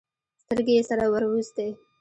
سترګې يې سره ور وستې.